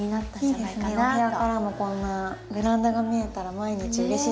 お部屋からもこんなベランダが見えたら毎日うれしいですね。